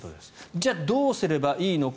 じゃあ、どうすればいいのか。